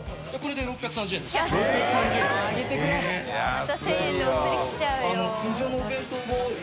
また１０００円でおつり来ちゃうよ。